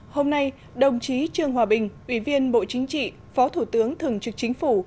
hôm nay đồng chí trương hòa bình ủy viên bộ chính trị phó thủ tướng thường trực chính phủ